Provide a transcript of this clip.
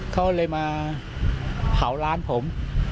เขาเลยมาเผาร้านผม